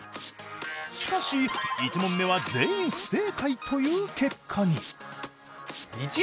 しかし１問目は全員不正解という結果に。